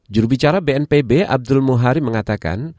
jurubicara bnpb abdul muharim mengatakan